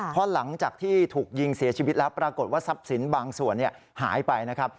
เพราะหลังจากที่ถูกยิงเสียชีวิตแล้วปรากฏว่าทรัพย์สินบางส่วนหายไปนะครับ